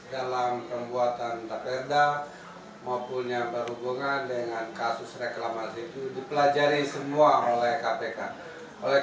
dalam pembuatan baperda maupun yang berhubungan dengan kasus reklamasi itu dipelajari semua oleh kpk